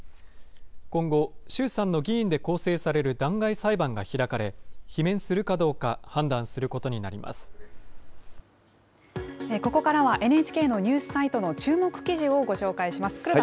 今後、衆参の議員で構成される弾劾裁判が開かれ、罷免するかどうここからは、ＮＨＫのニュースサイトの注目記事をご紹介します。